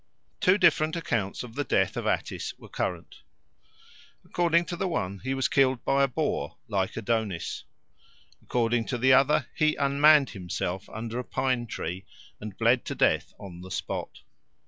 Two different accounts of the death of Attis were current. According to the one he was killed by a boar, like Adonis. According to the other he unmanned himself under a pine tree, and bled to death on the spot.